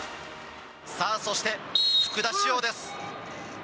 さあ、そして福田師王です。